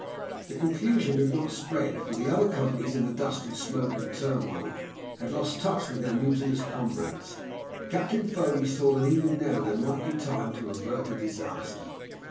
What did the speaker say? The confusion had not spread, for the other companies, in the dust and smoke and turmoil, had lost touch with their mutinous comrades. Captain Foley saw that even now there might be time to avert a disaster.